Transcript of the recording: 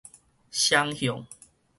雙向